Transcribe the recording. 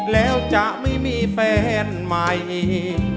แล้วจะไม่มีแฟนใหม่อีก